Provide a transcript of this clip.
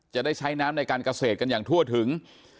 จะได้ใช้น้ำในการเกษตรกันอย่างทั่วถึง